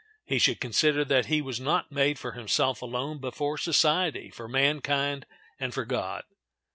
He should consider that he was not made for himself alone, but for society, for mankind, and for God.